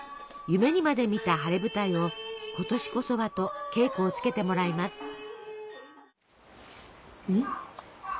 夢にまでみた晴れ舞台を今年こそはと稽古をつけてもらいます。